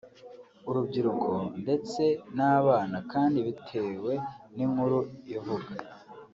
urubyiruko ndetse n’abana kandi bitewe n’inkuru ivugwa